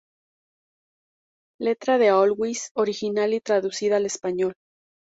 Letra de "Always" original y traducida al español